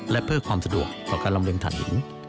และเพื่อความสะดวกต่อการลำเรียงฐานหิน